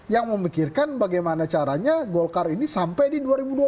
yang memikirkan bagaimana caranya golkar ini sampai di dua ribu dua puluh empat